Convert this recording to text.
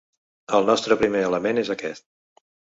El nostre primer element és aquest.